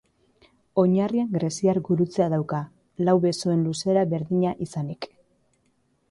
Oinarrian greziar gurutzea dauka, lau besoen luzera berdina izanik.